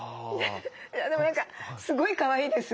でも何かすごいかわいいです。